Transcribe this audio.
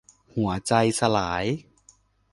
หัวใจสลาย